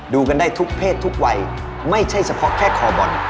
ดูกันได้ทุกเพศทุกวัยไม่ใช่เฉพาะแค่คอบอล